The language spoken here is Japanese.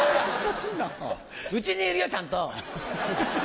家にいるよちゃんと！